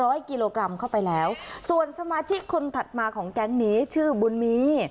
ร้อยกิโลกรัมเข้าไปแล้วส่วนสมาชิกคนถัดมาของแก๊งนี้ชื่อบุญมี